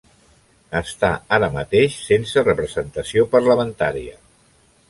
Està ara mateix sense representació parlamentària.